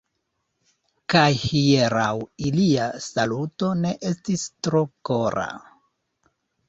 Kaj hieraŭ ilia saluto ne estis tro kora.